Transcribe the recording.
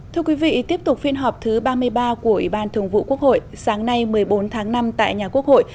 thưa quý vị tiếp tục phiên họp thứ ba mươi ba của ủy ban thường vụ quốc hội sáng nay một mươi bốn tháng năm tại nhà quốc hội